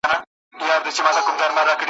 د کیږدۍ ښکلي دربدري ګرځي `